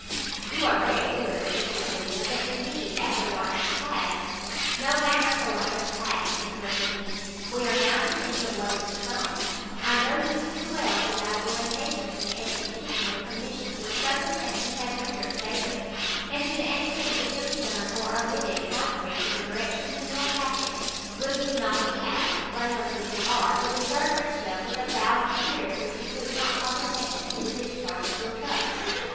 "You are very good," said Cecilia; "but indeed after what has passed " "No matter for what has passed," interrupted he, "we are now to think of what is to come. I know you too well to doubt your impatience in the execution of a commission which circumstances have rendered sacred; and should any thing either be done or omitted contrary to the directions in your packet, will you not be apt, blameless as you are, to disturb yourself with a thousand fears that you took not proper methods for the discharge of your trust?"